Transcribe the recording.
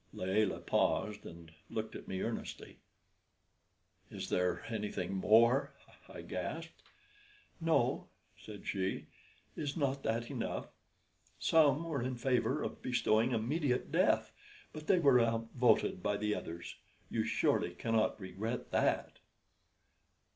Layelah paused, and looked at me earnestly. "Is there anything more?" I gasped. "No," said she. "Is not that enough? Some were in favor of bestowing immediate death, but they were outvoted by the others. You surely cannot regret that."